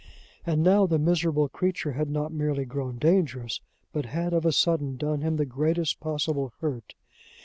And now the miserable creature had not merely grown dangerous, but had of a sudden done him the greatest possible hurt!